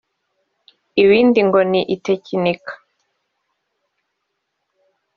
ibindi ngo ni itekinika